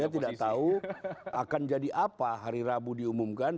saya tidak tahu akan jadi apa hari rabu diumumkan